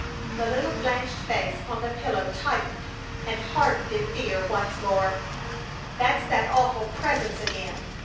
The little blanched face on the pillow tightened and hardened in fear once more. "That's that awful Presence again!